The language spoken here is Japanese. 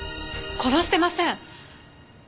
殺してません！